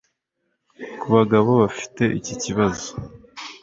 Ku bagabo bafite iki kibazo